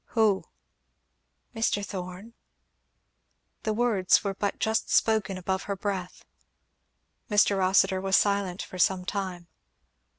"Who?" "Mr. Thorn." The words were but just spoken above her breath. Mr. Rossitur was silent for some time.